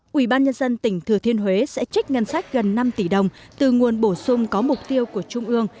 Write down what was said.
quỹ ban nhân dân tỉnh thừa thiên huế sẽ trích ngân sách gần năm tỷ đồng từ nguồn bổ sung có mục tiêu của trung ương